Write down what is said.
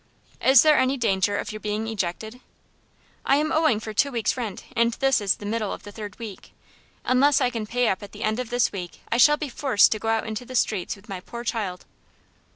"Is there any danger of your being ejected?" "I am owing for two weeks' rent, and this is the middle of the third week. Unless I can pay up at the end of this week I shall be forced to go out into the streets with my poor child."